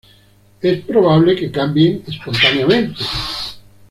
Es probable que cambien "espontáneamente".